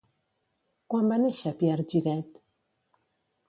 Quan va néixer Pierre Giguet?